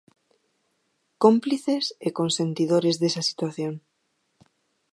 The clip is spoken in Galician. Cómplices e consentidores desa situación.